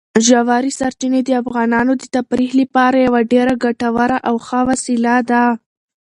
ژورې سرچینې د افغانانو د تفریح لپاره یوه ډېره ګټوره او ښه وسیله ده.